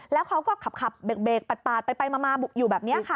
แล้วเขาก็ขับเบรกปาดไปมาอยู่แบบนี้ค่ะ